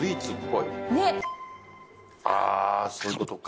あそういうことか。